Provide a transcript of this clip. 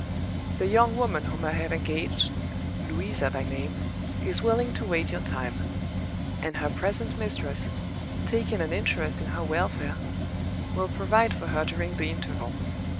"The young woman whom I have engaged (Louisa by name) is willing to wait your time; and her present mistress, taking an interest in her welfare, will provide for her during the interval.